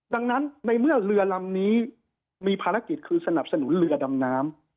ดังนั้นในเมื่อเรือลำนี้มีภารกิจคือสนับสนุนเรือดำน้ำ